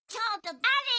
ちょっとだれよ！